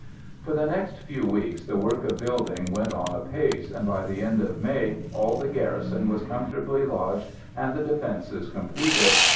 For the next few weeks the work of building went on apace, and by the end of May all the garrison was comfortably lodged and the defences completed.